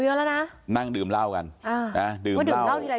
เอวเยอะแล้วนะนั่งดื่มเหล้ากันอ่าดื่มเหล้าว่าดื่มเหล้าทีไร